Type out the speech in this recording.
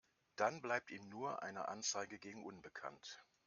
Dann bleibt ihm nur eine Anzeige gegen unbekannt.